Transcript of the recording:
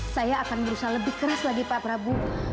saya akan berusaha lebih keras lagi pak prabowo